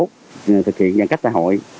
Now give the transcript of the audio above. thực hiện giãn cách tại hội